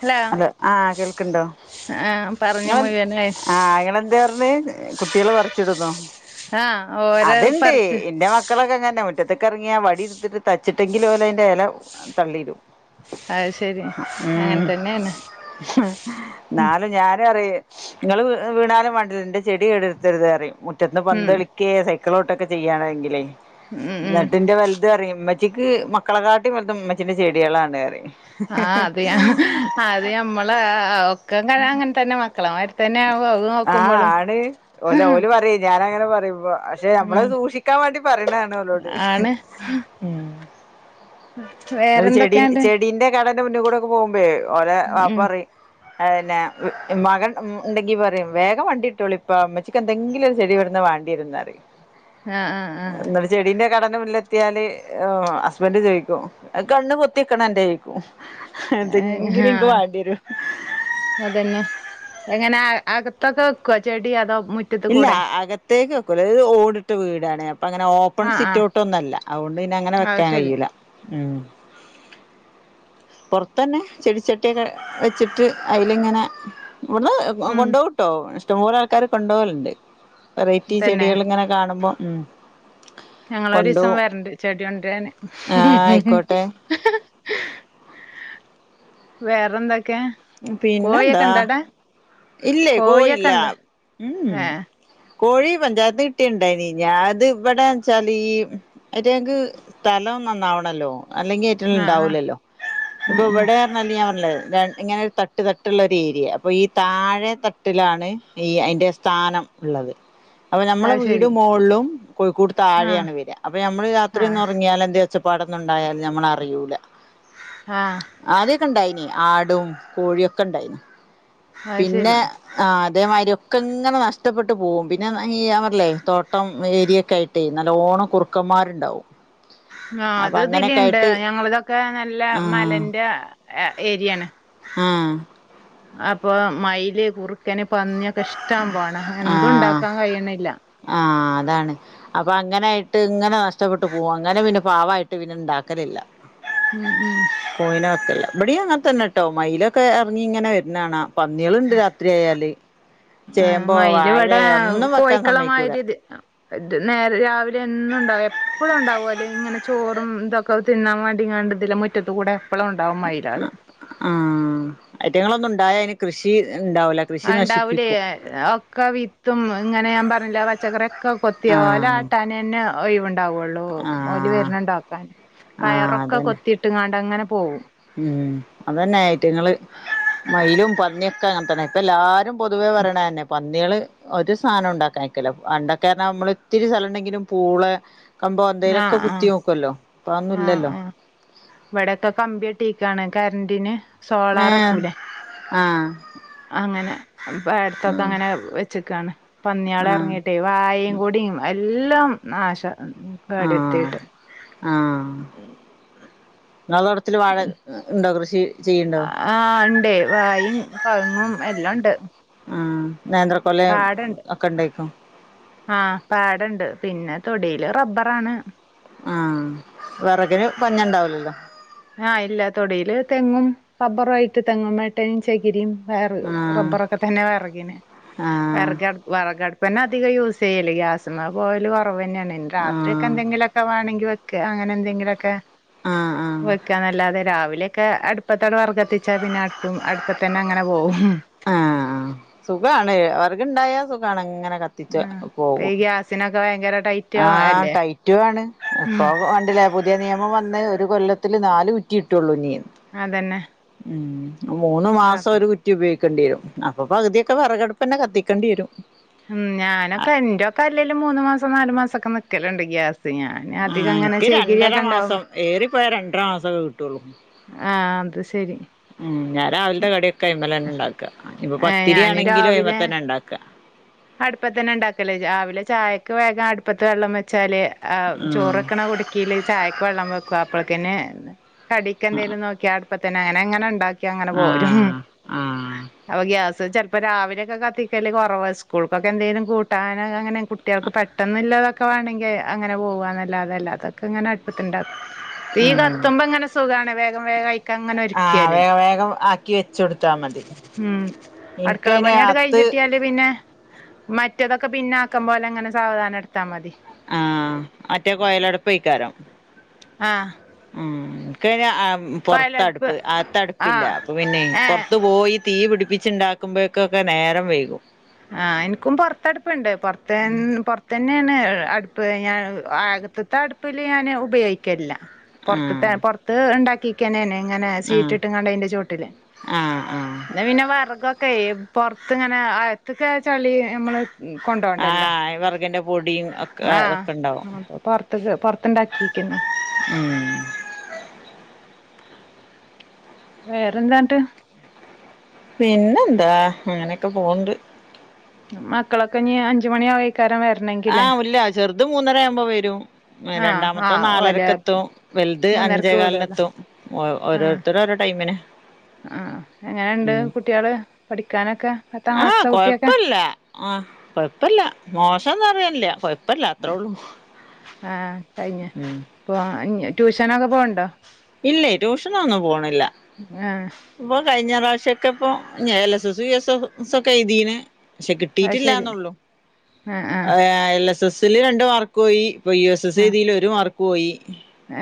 Hello അല്ല ആഹ് കേൾക്കണ്ടോ ആഹ് പറഞ്ഞു നിങ്ങളെ മുഴുവനായി ആഹ് അയാളെന്താ പറഞ്ഞ് കുട്ടികള് പറിച്ചിടുന്നോ ആഹ് ഓരോ പറിച്ച് മക്കളൊെങ്ങനന്നെ മുറ്റത്തക്കറങ്ങിയാ വടി ഇടുത്തിട്ട് തച്ചിട്ടെങ്കിലും ഓലയിൻ്റെ ഇല തള്ളിടും. അയ് ശരി അങ്ങനെ തന്നെണ്. എന്നാലും ഞാനറിം നിങ്ങൾ വീണാലും മണ്ടില്ല എന്റെ ചെടി എടുത്തരുതറി മുറ്റത്തുന്ന് പന്ത് ഉം കളിക്കെ സൈക്കിളോട്ടൊക്കെ ചെയ്യണെങ്കിലേ ഉം ഉം എന്നിട്ട് എന്റെ വലുതു പറയും ഉമ്മച്ചിക്ക് മകളെ കാട്ടി വലുതു ഉമ്മച്ചിന്റെ ചെടികളാണ് പറയും അഹ് അതെയാ അത് മ്മള് ഒക്കെ അങ്ങനെ തന്നെ മക്കളെമാർ അഹ് ആണ് എല്ലാ ഓല് പറ ഞാൻ അങ്ങനെ പറയുമ്പോ പക്ഷെ നമ്മള് ഉം സൂക്ഷിക്കാൻ വേണ്ടി പറയണാണ് ഓലോട് ആഹ് [unintelligible] എന്നിട്ട് ചെ ചെടിന്റെ കടന്റെ മുന്നിൽ കൂടെ ഒക്കെ പോകുബേളെ ഓല വാപ്പ ഉം പറ പിന്നെ മകൻ ഉണ്ടെങ്കി പറയും വേഗം വണ്ടിവിട്ടോളി ഇപ്പ ഉമ്മച്ചിക് എന്തെങ്കിലും ഒരു ചെടി ഇവിടുന്ന് വാ തേരുന്നത് ആഹ് ആഹ് ആഹ് ചെടിന്റെ കടന്റെ മുന്നിലെത്യാല് ഉഹ് ഹസ്ബൻഡ് ചോയ്ക്കും. കണ്ണ് പോത്തിക്കണ അന്റെയ്ക്കും ഏഹ് എതെങ്കിലുൻക്ക് ആഹ് വാണ്ടിയെരും അതന്നെ എങ്ങനെ അകത്തൊക്കെ വെക്കോ ചെടി അതോ മു ഇല്ല അകത്തേക്ക് വക്കൂല്ല ഇത് ഓടിട്ട് വീടാണ് അപ്പൊ അങ്ങനെ ഓ ഓപ്പൺ ആഹ് ആഹ് സിറ്റൗട്ടൊന്നല്ല അതുകൊണ്ട് പിന്നാ അങ്ങനെ അത് വെക്കാൻ ശരി കയ്യൂല ഉം പൊർത്തന്നെ ചെടിച്ചട്ടിയൊക്കെ വെച്ചിട്ട് അയ്ല്ങ്ങനെ വട്ന്ന് ഉം കൊണ്ടോവുട്ടോ, ഇഷ്ടംപോലെ ആൾക്കാര് കൊണ്ടോവല്ണ്ട് വെറൈറ്റി തന്നെ ചെടികൾ ഇങ്ങനെ കാണുമ്പോം ഉം ഞങ്ങളൊരീസം കൊണ്ടോവും വരണ്ട് ചെടി കൊണ്ട്രാന് ആ ആയിക്കോട്ടെ വേറെന്തൊക്കെ കോഴിയൊക്കെ പിന്നെന്താ ഇണ്ട അവിടെ ഇല്ലേ കോഴിയൊക്കെ കോയില്ല ഇണ്ട ഉം ഏ കോഴി പഞ്ചായത്ത് കിട്ടിയണ്ടായിനി ഞാഅത് വടെച്ചാല് ഈ ഐറ്റങ്ങക്ക് സ്ഥലം നന്നാവണല്ലോ അല്ലെങ്കി ആ ആ റ്റൾണ്ടാവൂലല്ലോ, ഉം ഇപ്പൊ ഉം വടെർഞ്ഞാല് ഞാപർഞ്ഞ്ലേ ര ഇങ്ങനെ തട്ട് തട്ട്ള്ളര് ഏരിയ, അപ്പൊ ഈ താഴെ തട്ടിലാണ് ഈ അയ്ന്റെ സ്ഥാനംഇള്ളത് അപ്പൊ നമ്മളെ അത് വീട് ശരി മോളിലും കോഴിക്കൂട് ആ താഴെയാണ് വെര. അപ്പൊ നമ്മള് രാത്രി ആ ഒന്നു ഉറങ്ങിയാൽ എന്ത ച്ചപ്പാടൊന്നുണ്ടായാൽ നമ്മളറിയൂല ആഹ് ആദ്യൊക്കെണ്ടായിന് ആടും കോഴിയൊക്കെ ഇണ്ടായിന് അത് ശരി പിന്നെ ആ അതേമാതിരി ഒക്കെ ഇങ്ങനെ നഷ്ടപ്പെട്ട് പോകും പിന്നെ ഞപറഞ്ഞിട്ടല്ലെ തോട്ടം ഏരിയൊക്കെ ആയി ട്ടെ നല്ലോണം കുറുക്കന്മാരുണ്ടാവും അപ്പൊ അഹ് അങ്ങനെയൊക്കെ അത്തിലണ്ട് ആയിട്ട് ഞങ്ങളതൊക്കെ നല്ല ആ മലന്റെ ഏരിയാണ് ആഹ് അപ്പൊ മയില് കുറുക്കന് പന്നിയൊക്കെ ഇഷ്ടം പോണ എന്തുണ്ടാക്കാൻ കഴിയണില്ല ആഹ് അതാണ് അപ്പങ്ങനായിട്ട് ങ്ങനെ നഷ്ടപ്പെട്ട് പോവു. അങ്ങനെ പിന്നെ പാവായിട്ട് പിന്നെണ്ടാക്കലില്ല ഉം ഉം കൊഴിന വക്കല്ല ബടിയും അങ്ങന തന്നെട്ടോ മയിലൊക്കെ ഇറങ്ങി ഇങ്ങനെ വരുന്നാണാ പന്നികളുണ്ട് രാത്രി ആയാല് അഹ് ചേമ്പോ മയിൽ ഇവിടെ വാഴയോ ഒന്നും വെക്കാൻ സമ്മതിക്കൂല കോഴിക്കളമാരിത് ഇത് നേരെ രാവിലെ എന്നും ഉണ്ടാ എപ്പോളും ഉണ്ടാവും അല്ലേ ഇങ്ങനെ ചോറും ഇതൊക്കെ തിന്നാൻ വേണ്ടിങ്ങാണ്ട ഇതിലെ മുറ്റത്ത് കൂടെ എപ്പോളും ണ്ടാവും മയ്ലാള് ആഹ് അയ്റ്റങ്ങളൊന്നും ണ്ടായഅയ്ന് കൃഷി ണ്ടാവൂല ആഹ് ണ്ടാവൂലേയ് ഒക്കെ വിത്തും ഇങ്ങനെ ഞാൻ പറഞ്ഞ്ലെ ആ പച്ചക്കറി ഒക്കെ കൊത്തി ഓല ആഹ് ട്ടാനെന്നെ ഒഴിവുണ്ടാവുള്ളൂ ഓല് ആഹ് വരുന്നുണ്ടോക്കാൻ ആഹ് പയറൊക്കെ അതന്നെ കൊത്തി ട്ട്ങ്ങാണ്ടങ്ങനെ പോവും ഉം അതന്നെ അയ്റ്റങ്ങള് മയിലും പന്നിയൊക്കെ അങ്ങനെ തന്നെ ഇപ്പല്ലാരും പൊതുവേ പറിണേന്നെ പന്നിയേള് ഒരു സാനോംണ്ടാക്കാൻ അയക്കൂ ല പണ്ടൊക്കൊന്നർഞ നമ്മള് ഇത്തിരി സ്ഥലം ഉണ്ടെങ്കിലും പൂളെ കമ്പോ ആ എന്തേലൊക്കെ ആ കുത്തി നോക്കല്ലോ ഇപ്പൊന്നും ആ ഇല്ലല്ലോ ആ ഇവിടെക്കെ കമ്പിയട്ടീക്കാണ് കര്ന്റിന് ഏഹ് ആഹ് അങ്ങനെ പ്പ അട്ത്തൊക്കെ ആഹ് അങ്ങനെ വെച്ചിക്കാണ് പന്നിയാള് ആഹ് എർങ്ങിട്ടേയ് വായേം കൂടി എല്ലാം നാശ- ആഹ് കെടേർത്തീട് ഇങ്ങളെ തോട്ടത്തിൽ വാഴ ണ്ടോ കൃഷി ചെയ്യണ്ടോ ആഹ് ഇണ്ടയ് വായിം കഴുങ്ങും എല്ലാം ഇ ണ്ട് ആഹ് നേന്ത്ര - പാടണ്ട് ആഹ് പാടണ്ട് പിന്നെ തൊടീല് റബ്ബറാണ് ആഹ് വെറകിന് പഞ്ഞ ഇണ്ടാവൂലല്ലോ ആഹ് ഇല്ല തൊടീല് തെങ്ങും റബ്ബറുമാ യിട്ട് തെങ്ങും മേട്ടനും ചകിരിയും വയർ ആഹ് റബ്ബറൊക്കെ തന്നെ വെറകിന് ആഹ് വിറകടു വെറകടപ്പന്നെ അധികം യൂസ് ചെയ്യേൽ ഗ്യാസ്മ പൊവ്വല് കൊറവെന്നായ ഉം രാത്രി ഒക്കെ ആഹ് എന്തെങ്കിലൊക്കെ വേണങ്കി വെക്കഅങ്ങനെ എന്തങ്കിലൊക്കെ ആഹ് ആഹ് വയ്ക്കാന്നല്ലാതെ രാവിലെക്കെ അടുപ്പത്തൺ വർഗത്തിച്ചാ പിന്നെ അടുപ്പും അടുപ്പ തന്നെ അങ്ങനെ പോകും ആഹ് സുഖാണ് വർഗു ണ്ടായാ സുഖാണ് ഇങ്ങനെ കത്തും കത്തിച്ച് ആഹ് ഇപ്പ ഈ പോകും ഗ്യാസിനൊക്കെ ഭയങ്കര ടൈറ്റ് ആഹ് അല്ലേ ടൈറ്റും ആണ് ഇപ്പ കണ്ടിലേ ഇതേ നിയമം വന്ന് ഒരു കൊല്ലത്തിൽ നാല് കുറ്റി കിട്ടൊള്ളൂ ഞ്ഞീന്ന് അതെന്നെ ഉം മൂന്ന് മാസം ഒരു കുറ്റി കരുതി ഉപയോഗിക്കേണ്ടി വരും അപ്പൊ പകുതിയൊക്കെ വിറകടുപ്പെന്നെ കത്തിക്കേണ്ടി വരും ഉം ഞാനൊക്കെ ആഹ് എന്റെക്കെ അല്ലേല്ലും മൂന്നു മാസം നാലു മാസംഒക്കെ നി ക്കലുണ്ട് ഗ്യാസ് ഞാൻ പിന്നെ അധികം അങ്ങനെ ചെക് രിയൊ ക്കെ ഉണ്ടാവും ഏറിപ്പോയാ രണ്ടര മാസൊക്കെ കിട്ടൊള്ളൂ ആഹ് അത് ശരി ഉം ഞാൻ രാവിലത്തെ കടിയോക്കെ അയി്മല ന്നെ ഇണ്ടാക്ക ഇപ്പൊ ഏഹ് ഞാന് പത്തിരിയാണെങ്കിലും രാവിലെ അയി്മ്മതന്നെ ഇണ്ടാക്ക അടുപ്പത്തന്നെ ഇണ്ടാക്കല് രാവിലെ ചായക്ക് വേഗം അടുപ്പത്ത് വെള്ളം വെച്ചാല് ഉം ചോറ്ക്കണ കുട് ക്കേല് ചായക്ക് വെള്ളം വെക്ക അപ്പഴക്കിന് കടിക്ക് എന്തേലും നോക്കിയാ അടുപ്പ തന്നെ അങ്ങനെ അങ്ങനെ ഇണ്ടാക്ക ക്കിങ്ങനെ പോരും ആഹ് ആഹ് അപ്പൊ ഗ്യാസ് ചെലപ്പോ രാവിലൊക്കെ കത്തിക്കല് കൊറവാ സ്കൂൾക്കൊക്കെ എന്തേങ്കിലും കൂട്ടാനൻ അങ്ങനെ കുട്ടികൾക്ക് പെട്ടന്നില്ലതൊക്കെ വേമെങ്കിൽ അങ്ങനെ പോകുക എന്നല്ലാതെ അല്ലാതെ ക്കങ്ങനെ അടുപ്പത്തു ണ്ടാക്കും [unintelligible] തീ കത്തുമ്പോ ങ്ങനെ സുഖാണ് വേഗ വേഗായി ആഹ് വേഗം വേഗം ആക്കി വെച്ച കൊടുത്താ മതി ഉം അടുക്കള ഇൻക്കയ്ന് പണിയങ്ങട്ട് കഴിഞ്ഞി അത്ത് ട്ടിയാ ല് ന്നട്ട് പിന്നെ മറ്റേതൊക്കെ പിന്നാക്കം പോലെ അങ്ങനെ സാവധാനം എടുത്താൽ മതി ആഹ് മറ്റേ കോയലട്പ്പെ യ്ക്കാരം ആഹ് ഉം ക്ക് അയിൻ കൊയലടുപ്പ് പൊറത്തടുപ്പ് അകത്തടുപ്പില്ല ആഹ് അപ്പൊ പിന്നെ ഏഹ് പൊറത്ത് പോയി തീ പിടിപ്പിച്ചുണ്ടാക്കുമ്പോഴേക്കൊക്കെ നേരം വൈകും ആഹ് എനിക്കും പൊറത്തടുപ്പുണ്ട് പൊറത്ത് പൊറത്ത തന്നെയാണ് അടുപ്പ് ഞാൻ ആകത്ത് ത്തെ അടുപ്പ് അടുപ്പില് ഞാന് ഉപയോഗിക്കലില്ല പൊറത്ത്ത്തെ ആഹ് പൊറത്ത് ഇണ്ടാകി [unintelligible] ഇങ്ങനെ സീറ്റ് ആഹ് ഇട്ട്ങ്ങാണ്ട് അയിന്റെ ചോട്ടിൽ ആഹ് ആഹ് ന്ന പിന്നെ വർഗൊ ക്കെയ് പൊറത്ത് ഇങ്ങനെ അകത്ത്ക്കാ ചളി നമ്മള് കൊണ്ടോ ആഹ് വെറഗിന്റെ പൊടിയും ഒ ആഹ് പൊറത്ത പൊറത്തണ്ടാക്കിക്കന്നെ ഉം വേറെന്താട്ട് പിന്നെന്താ അങ്ങനെക്കെ പോണ്ട് മക്കളൊക്കെ ഇനി അഞ്ചുമണിയാവ് ക്കാരൻ വരണ ആഹ് ഇല്ല ചെറുതും മൂന്നര ആവുമ്പോ വരും ആഹ് രണ്ടാമത്തോൻ ആഹ് ഓലെ നാലരക്കെത്തും വൽത് മൂന്നരക്ക് വിടോല്ലോ അഞ്ചേകാലിനെത്തും ഓരോ ആഹ് ത്തര് ഓരോ ടൈമിനാ ആഹ് എങ്ങനെണ്ട് കുട്ടികള് പഠിക്കാനൊക്കെ പത്താം ക്ലാസ്സത്തെ കുട്ടിയെക്കെ ആഹ് കൊഴപ്പില്ല മോശംന്ന് പറയന്നില്ല കൊഴ പ്പല്ല അത്രോള്ളൂ അപ്പ ട്യൂഷനൊക്കെ പോവണ്ടോ ഇല്ലേ ട്യൂഷനൊന്നും പോണില്ല ആഹ് ഇപ്പോ കഴിഞ്ഞ പ്രാശോക്കെ ഇപ്പോ L S S U S A ഒക്കെ എഴ്തീന് ക്ഷേ അത് ശരി കിട്ടിട്ടില്ലന്നുള്ളു ആഹ് എൽ എസ് എസില് രണ്ട് മാർക്കോയി ഇപ്പോ യു എസ് എസ് ആഹ് എഴ്തില് ഒരു മാർക്ക് പോയി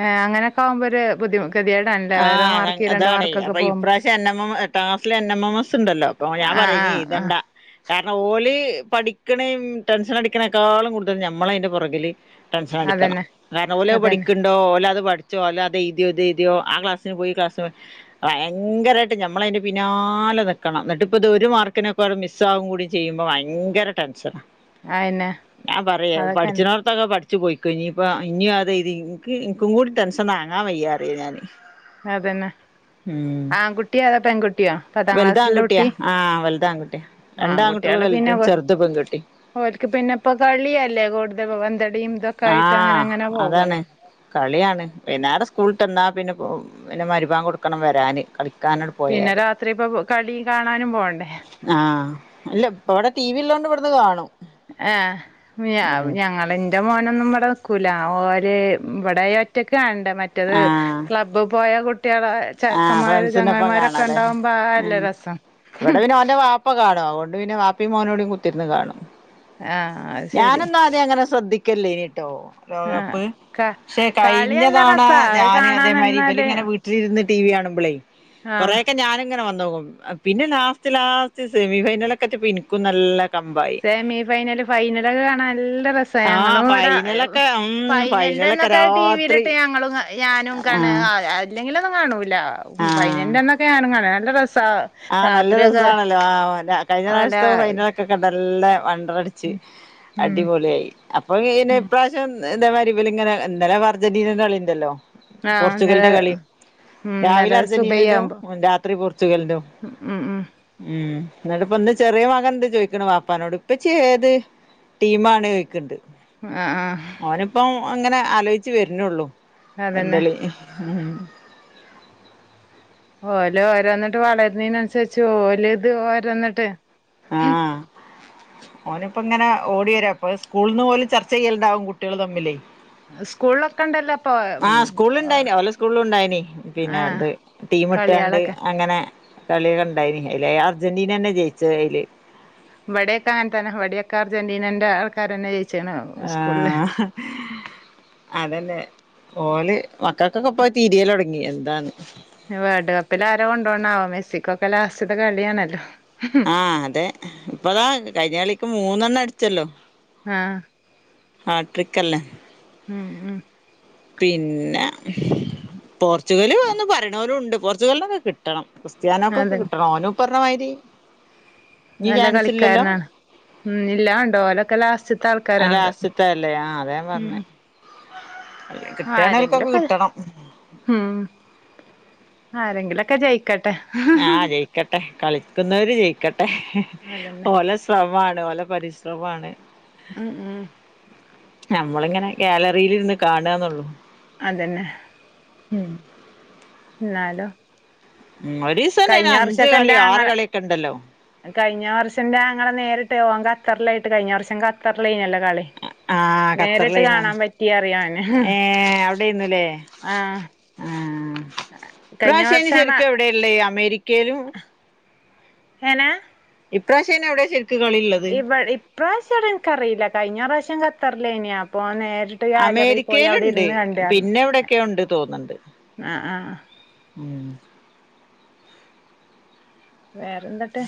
ഏഹ് അങ്ങനൊക്കെ ആകുമ്പ ഒരു ബുദ്ധിമു [unintelligible] ആഹ് അതാ അതാണെ അപ്പോ ഇപ്രാശ്യം എൻ എം എം എട്ടാം ക്ലസ്സില് എൻ എം എം എസ്ണ്ടല്ലോ അപ്പോ ഞാൻ ആഹ് പറഞ്ഞ് ആഹ് ആഹ് ഇയ്തണ്ടാ കാരണം ഓല് പഠിക്കണേയും ടെൻഷൻ അടിക്കുന്നേക്കാളും കൂടുതൽ ഞമ്മള അതിന്റെ പൊറകില് ടെൻഷൻ അടിക്കണം അതന്നെ കാരണം ഓലോത് അതന്നെ പഠിക്കണ്ടോ ഓലോ അത് പഠിച്ചോ അത്ഴതിയോ ഇതെഴുതിയോ ആഹ് ക്ലാസിന് പോയി ഈ ക്ലാസ്സ്‌ ഭയങ്കരായിട്ട് ഞമ്മളയിന്റെ പിന്നാലെ നിക്കണം എന്നിട്ട് ഇപ്പ ഇത് ഒരു മാർക്കിന് [unintelligible] മിസ് ആകും കൂടി ചെയ്യുമ്പോ ഭയങ്കര ടെൻഷനാ അയന്നെ ഞാൻ പറയ അതൊക്കെന്നെ പഠിച്ചണോ ത്തൊക്കെ പഠിച്ച് പോയിക്കോ ഇനിപ്പാ ഇനിയത് എഴ്തി ഇൻക്ക് ഇൻക്കും കൂടി ടെൻഷൻ താങ്ങാൻ വയ്യാ അറിയും ഞാന് അതന്നെ ഉം ആങ്കുട്ടിയാ അതോ പെങ്കുട്ടിയോ പത്താം വലുത് ക്ലാസ്സുള്ള കുട്ടി രണ്ടാങ്കുട്ടികള് ആൺകുട്ടികള് പിന്നെ വല്തും ചെറുത് പെങ്കുട്ടി ഓൽക്ക് പിന്നെപ്പോ കളിയല്ലേ കൂടുത പന്തടിയും ഇതോ ആഹ് അതാണ് കളിയാണ് പിന്നടെ സ്കൂളിട്ട്ന്നാ പിന്നെ പിന്നെ മരുഭാൻ കൊടുക്കണം വരാന് കളി പിന്നെ രാത്രി ഇപ്പോ കളി കാണാനും പോണ്ടേ ആഹ് അല്ല ഇപ്പ ഇവടെ ടി വി ഇള്ളോണ്ട് ഇവടുന്ന് കാണും ആഹ് ഉം [unintelligible] ഞങ്ങള് ഇ ന്റെ മോനൊന്നും ഇവടെ നിക്കൂല ഓര് ഇവടെ ഒറ്റക്ക്‌ ക്കാണണ്ട മറ്റേത് ആഹ് ക്ല ബ് പോയാ കു കുട്ട്യാള് ആഹ് ചെക്കന്മാര് ഫ്രണ്ട്സിനൊപ്പം ചങ്ങായിമാരൊക്കെ കാണാല്ലേ ഇണ്ടാവുമ്പോ അതല്ലേ രസം ഇപ്പ കാണും അുകൊണ്ട് പിന്നെ വാപ്പി മോനോടേം കുത്തിരുന്ന് കാണും. ആഹ് അത് ശരി ഞാനൊന്നും ആദ്യം അങ്ങനെ ശ്രദ്ധിക്കല്ലോ ഇനിട്ടോ ആഹ് ലോകകപ്പ് ക ക്ഷേ കളി നല്ല കഴിഞ്ഞതവണ രസാ അത് ഞാന് കാണാൻ അതേമാരി നിന്നാല് ഇവലിങ്ങനെ വീ ട്ടിലിരുന്ന് ടി വി കാണുമ്പളെ ആഹ് കൊറെക്കെ ഞാനിങ്ങനെ വന്നോക്കും പിന്നെ ലാസ്റ്റ് ലാസ്റ്റ് സെമി ഫൈനലെക്കെ എത്തിപ്പോ എനിക്കും നല്ലേ സെമി ഫൈനല് ഫൈനലൊക്കെ കാണാൻ നല്ല രസാ ആഹ് ഞങ്ങളും ഇവടെ ഫൈനലൊക്കെ ഉം ഫൈനലൊക്കെ ഫൈനലിന്റെന്നക്കെ രാത്രി ടിവിലിട്ട് ഞങ്ങളും ഞാനും ആഹ് [unintelligible] ഇല്ലെങ്കിലൊന്നും കാണൂലാ ആഹ് ഫൈനലിന്റെന്നക്കെ ഞാനും കാണും നല്ല രസാ ആഹ് നല്ല രാത്രിയൊക്കെ രസാണല്ലോ ആ ഓന്റെ കഴിഞ്ഞ വല പ്രാവശ്യത്തെ ഫൈനലൊക്കെകണ്ട നല്ല വണ്ടറടി ച്ച് ഉം അടിപൊളിയായി അ അപ്പൊ ഇനേ ഇപ്രാവശ്യം ഇതേ മാരി ഇവല് ഇങ്ങന ഇന്നലെ പ്പം അർജന്റീന ന്റെ കളിണ്ടല്ലോ ആഹ് ഇന്നലെ പോർച്ചുഗലിന്റെ കളി ഉം രാവിലെ ഇന്നലെ അർജന്റീനന്റോ സുബഹിയാവുമ്പോ രാത്രി പോർച്ചുഗലിന്റോ ഉം ഉം ഉം ഇന്നട്ട് ഇപ്പം ഇന്ന് ചെറിയ മകൻ ണ്ട് ചോയി ക്ണ് വാപ്പാനോട് ഇപ്പച്ചി ഏത് ടീമാണ് യിക്ക്ണ്ട് ആഹ് ആഹ് ഓന്പ്പം അങ്ങനെ ആലോയിച്ച് വരുന്നുള്ളൂ അതന്നെ പന്തളി ഓല ഓരോന്നിട്ട് വളരുന്നീ നനുസരിച്ച് ഓല് ഇത് ഓര ന്നിട്ട് ആഹ് ഓനി ഇപ്പ ഇങ്ങനെ ഓടി വരാ അപ്പൊ സ്കൂൾന്ന് ഓല് ചർച്ച ചെയ്യല്ണ്ടാവും കുട്ടിയേൾ തമ്മിലേ സ്കൂൾ ഒക്കെ ണ്ടല്ലോ ആഹ് സ്കൂൾ ഇണ്ടായിനി ഓല സ്കൂളും ഇണ്ടായി നി പിന്നെ ആഹ് ത് ടീം ഇട്ടാണ്ട് കളികളൊക്കെ അങ്ങനെ കളിയൊക്കെണ്ടായി നി അയിലെ അർജന്റീന ന്നെ ജയിച്ച അയില് ഇവടെക്കെ അങ്ങൻതന്നെ ഇ വ ടെക്കെ അർജന്റീനന്റെ ആൾക്കാരന്നെ ജയി ആഹ് അതന്നെ ഓല് മക്കക്കൊക്കെ പ്പഹ് തിരിയല് തൊടങ്ങി എന്താന്ന് ഇഞ്ഞ് വേൾഡ് കപ്പില് ആരാ കൊണ്ടോ ണാവോ മെസ്സിക്കൊക്കെ ലാസ്റ്റത്തെ കളിയാണല്ലോ ആഹ് അതെ ഇപ്പതാ കഴിഞ്ഞ കളിക്ക് മൂന്നെണ്ണം അടിച്ചല്ലോ ആഹ് ആഹ് ട്രിക് അല്ലേ ഉം ഉം പിന്നെ പോർച്ചുഗല് ഒന്ന് പറി ണോ ലും ഉണ്ട് പോർച്ചുഗലിനൊക്കെ കി ട്ടണം ക്രിസ്ത്യാനോക്കൊക്കെ അതന്നെ കിട്ടണം ഓനുപ്പറഞ്ഞമാരി നല്ല കളിക്കാരനാ ഉം ഇല്ലാ ഉണ്ടോ ഓലൊക്കെ ലാസ് അ ലാസ്റ്റ് ത്തല്ലേ ആഹ് അതാ ഞാൻ ഉം പറ്ഞ്ഞെ അല്ല കിട്ടാണെ ഓൽക്കൊക്കെ ആരെങ്കിലൊക്കെ കിട്ടണം ഉം ആരെങ്കിലുംക്കെ ജയി ക്കട്ടെ ആഹ് ജയിക്കട്ടെ കളിക്കുന്നവര് ജയിക്കട്ടെ അതന്നെ ഓലെ ശ്രമാണ് ഓല പരിശ്രമ ആണ് ഉം ഉം നമ്മളിങ്ങനെ ഗാലറീല്ഇരുന്ന് കാണാന്നുള്ളൂ അതന്നെ ഉം ന്നാലും ളം ഒരീസന്നെ അയിന് അഞ്ച് കളി എന്റെ ആറ് ആങ്ങള കളിയൊക്കെ ണ്ടല്ലോ കഴിഞ്ഞ വർഷംന്റെ ആങ്ങള നേരിട്ട് ഓൻ കത്തറിലായിട്ട് കഴിഞ്ഞ വർഷം കത്തറിലേ നില്ലേ കളി ആഹ് നേരിട്ട് ഖത്തറിലേന്നാ കാണാൻ പറ്റി അറി ഓന് ഏഹ് അവിടെന്നുല്ലേ ആഹ് ആഹ് കഴിഞ്ഞ വർഷാണ് ടെള്ളെ അമേരിക്കേലും എനെ ഇപ്രാവശ്യ യ്ന് എവിടെ ശരി ക്ക് കളി ള്ളേ ഇ ഇപ്രാവശ്യ എനിക്കറിയില്ല കഴിഞ്ഞ പ്രാവശ്യം ഖത്തറിലെനി അപ്പ നേരിട്ട് ഗാലറി പോയി അമേരികേൽ അവിടെ ഉണ്ട് ഇരുന്ന് കണ്ടാർന്ന് പിന്നെ എവിടെക്കെയ ഉണ്ട് തോന്നണ്ട് ആഹ് ആഹ് ഉം വേറെന്താട്ട്